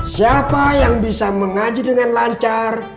siapa yang bisa mengaji dengan lancar